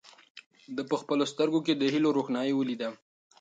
ده په خپلو سترګو کې د هیلو روښنايي ولیده.